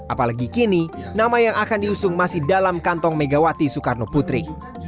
apalagi kini nama yang akan diusung masih dalam kantong megawati soekarno putri